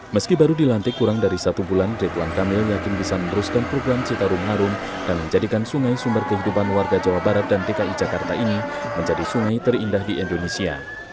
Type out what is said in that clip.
meski baru dilantik kurang dari satu bulan ridwan kamil yakin bisa meneruskan program citarum harum dan menjadikan sungai sumber kehidupan warga jawa barat dan dki jakarta ini menjadi sungai terindah di indonesia